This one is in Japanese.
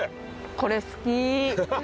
これ好き！